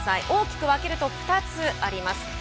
大きく分けると２つあります。